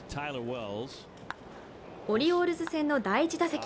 オリオールズ戦の第１打席。